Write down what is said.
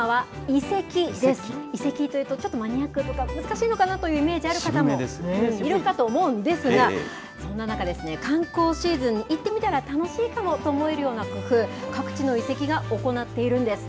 遺跡というとちょっとマニアックというか、難しいのかなというイメージある方もいるかと思うんですが、そんな中、観光シーズン、行ってみたら楽しいかもと思えるような工夫、各地の遺跡が行っているんです。